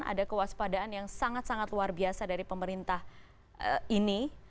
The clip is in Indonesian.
ada kewaspadaan yang sangat sangat luar biasa dari pemerintah ini